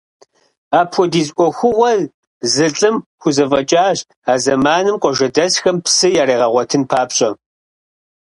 Апхуэдиз ӏуэхугъуэ зы лӏым хузэфӏэкӏащ а зэманым, къуажэдэсхэм псы яригъэгъуэтын папщӏэ.